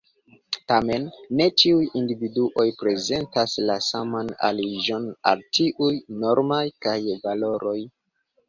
Tamen, ne ĉiuj individuoj prezentas la saman aliĝon al tiuj normoj kaj valoroj.